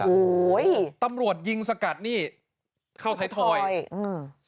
โอ้โหตำรวจยิงสกัดนี่เข้าไทยทอยใช่อืม